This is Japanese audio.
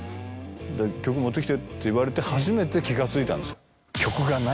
「曲持ってきて」って言われて初めて気が付いたんですよ。